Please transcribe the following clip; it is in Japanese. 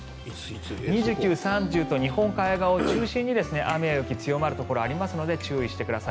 ２９日、３０日と日本海側を中心に雨や雪が強まるところがありますので注意してください。